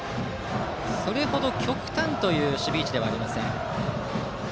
それ程、極端という守備位置ではありません。